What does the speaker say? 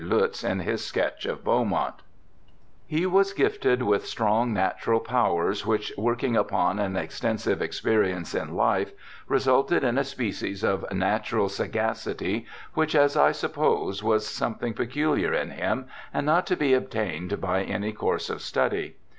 Lutz in his sketch of Beaumont) :' He was gifted with strong natural powers, which, working upon an extensive experience m life, resulted in a species of natural sagacity, which, as I suppose, was something peculiar in him, and not to be attained by any course of study.